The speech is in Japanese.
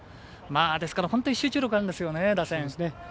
ですから、本当に集中力あるんですよね、打線。